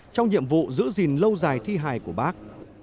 trong nhiệm vụ giữ gìn lâu dài thi hài của bác